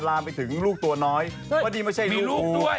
ลามไปถึงลูกตัวน้อยเพราะนี่ไม่ใช่ลูกด้วย